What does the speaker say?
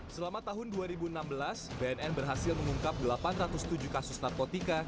selama tahun dua ribu enam belas bnn berhasil mengungkap delapan ratus tujuh kasus narkotika